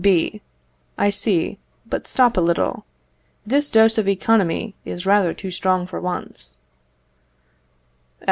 B. I see; but stop a little. This dose of Economy is rather too strong for once.